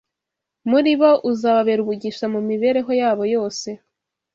muri bo uzababera umugisha mu mibereho yabo yose.